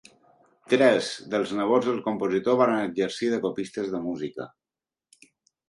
Tres dels nebots del compositor varen exercir de copistes de música.